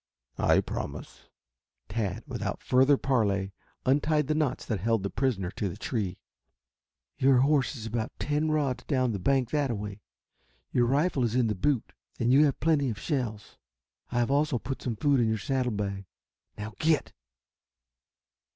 "I promise." Tad without further parley untied the knots that held the prisoner to the tree. "Your horse is about ten rods down the bank that way. Your rifle is in the boot and you have plenty of shells. I have also put some food in your saddle bag. Now get!"